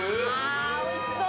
おいしそう。